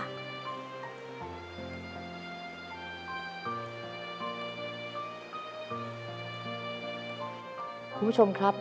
คุณผู้ชมครับ